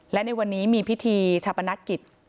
และในวันนี้มีพิธีชาปนกิจ